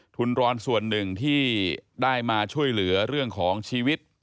ทุนรอนส่วนหนึ่งที่ได้มาช่วยเหลือเรื่องของชีวิต